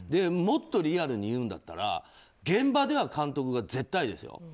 もっとリアルに言うんだったら現場では監督が絶対ですよ。